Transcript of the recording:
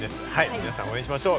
皆さんも応援しましょう。